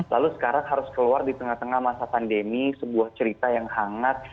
lalu sekarang harus keluar di tengah tengah masa pandemi sebuah cerita yang hangat